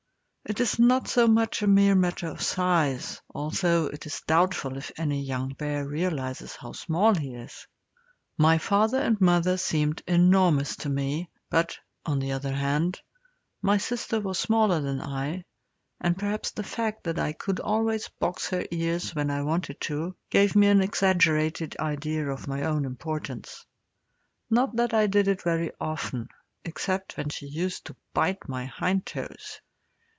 It is not so much a mere matter of size, although it is doubtful if any young bear realizes how small he is. My father and mother seemed enormous to me, but, on the other hand, my sister was smaller than I, and perhaps the fact that I could always box her ears when I wanted to, gave me an exaggerated idea of my own importance. Not that I did it very often, except when she used to bite my hind toes.